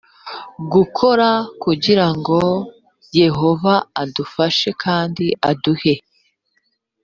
gukora kugira ngo yehova adufashe kandi aduhe